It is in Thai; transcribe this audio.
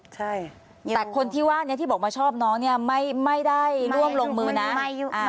แต่คนที่บอกมาชอบน้องไม่ได้ร่วมลงมือนะ